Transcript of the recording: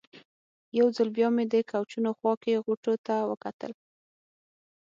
یو ځل بیا مې د کوچونو خوا کې غوټو ته وکتل.